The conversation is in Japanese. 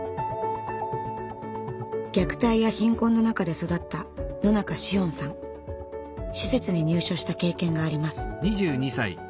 虐待や貧困の中で育った施設に入所した経験があります。